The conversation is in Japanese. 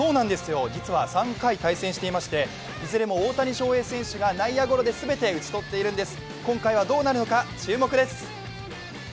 実は３回対戦していまして、いずれも大谷翔平選手が内野ゴロで全て打ち取っているんです。